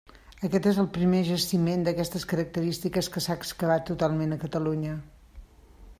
Aquest és el primer jaciment d'aquestes característiques que s'ha excavat totalment a Catalunya.